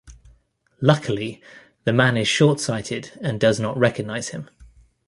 Luckily, the man is short sighted and does not recognise him.